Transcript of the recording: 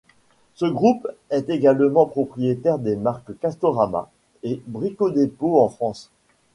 Ce groupe est également propriétaire des marques Castorama et Brico Dépôt en France.